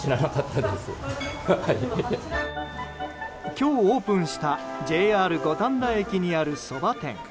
今日、オープンしたＪＲ五反田駅にあるそば店。